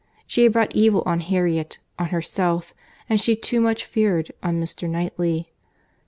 She had brought evil on Harriet, on herself, and she too much feared, on Mr. Knightley.